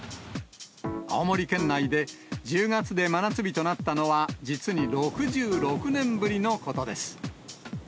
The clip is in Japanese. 青森県内で１０月で真夏日となったのは、実に６６年ぶりのことです。